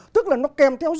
tức là nó kèm theo dòng